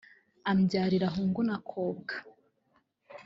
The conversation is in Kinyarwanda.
ambyarira hungu na kobwa